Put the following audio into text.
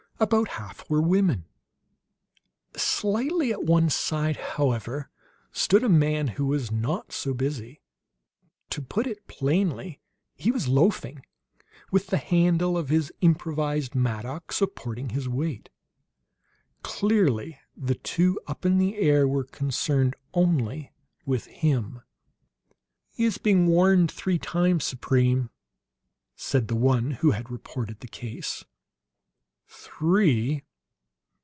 About half were women. Slightly at one side, however, stood a man who was not so busy. To put it plainly, he was loafing, with the handle of his improvised mattock supporting his weight. Clearly the two up in the air were concerned only with him. "He has been warned three times, Supreme," said the one who had reported the case. "Three?